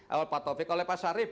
awal pak taufik oleh pak syarif